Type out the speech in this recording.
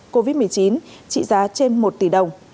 covid một mươi chín trị giá trên một tỷ đồng